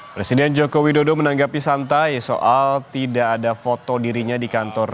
presiden joko widodo menanggapi santai soal tidak ada foto dirinya di kantor